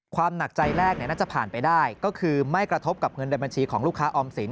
หนักใจแรกน่าจะผ่านไปได้ก็คือไม่กระทบกับเงินในบัญชีของลูกค้าออมสิน